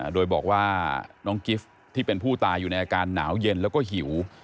โดยบอกว่าน้องกิฟต์ที่เป็นผู้ตายอยู่ในอาการหนาวเย็นแล้วก็หิว